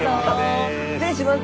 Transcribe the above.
失礼します！